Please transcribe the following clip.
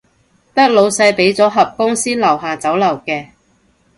得老細畀咗盒公司樓下酒樓嘅